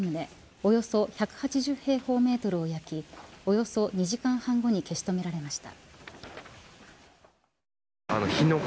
およそ１８０平方メートルを焼きおよそ２時間半後に消し止められました。